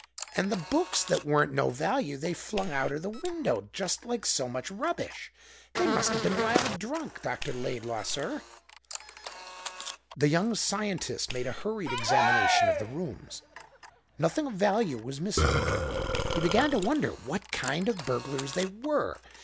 And the books that weren't no value they flung out er the window just like so much rubbish. They must have been wild drunk, Dr. Laidlaw, sir!" The young scientist made a hurried examination of the rooms. Nothing of value was missing. He began to wonder what kind of burglars they were.